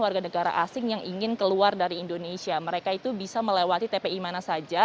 warga negara asing yang ingin keluar dari indonesia mereka itu bisa melewati tpi mana saja